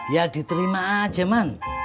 ya diterima aja man